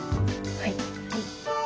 はい。